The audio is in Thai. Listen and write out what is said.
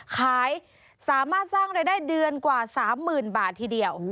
ขายสามารถสร้างรายได้เดือนกว่า๓๐๐๐บาททีเดียว